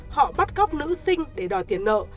họ bắt cóc nữ sinh để đòi tiền nợ